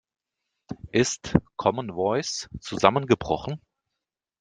Ist Commen Voice zusammengebrochen?